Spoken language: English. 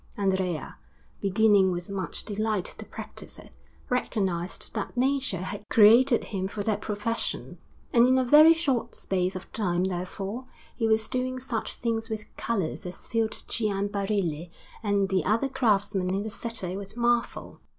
Andrea, beginning with much delight to practise it, recognized that nature had created him for that profession; and in a very short space of time, therefore, he was doing such things with colours as filled Gian Barile and the other craftsmen in the city with marvel.